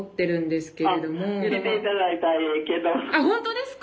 あっ本当ですか？